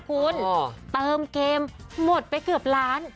คุณเติมเกมหมดไปเกือบล้าน